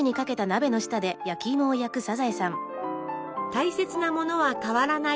大切なものは変わらない。